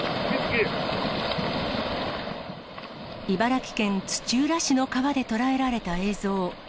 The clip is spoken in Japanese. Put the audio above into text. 茨城県土浦市の川で捉えられた映像。